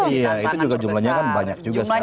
iya itu juga jumlahnya kan banyak juga sekarang